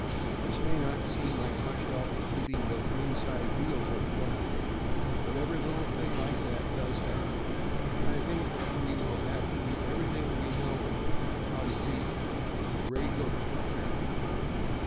This may not seem to help much in keeping those inside wheels on the ground, but every little thing like that does help, and I think that we will have to do everything we know how to beat that 'Gray Ghost' of theirs.